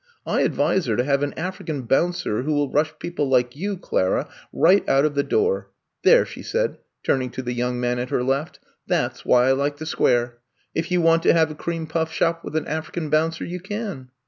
' I advise her to have an African bouncer who will rush people like you, Clara, right out of the door. There, '^ she said, turning to the young man at her left, ^Hhat 's why I like the Square. If you want to have a cream puff shop with an African bouncer, you can.